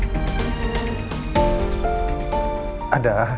tetap mendampingi dia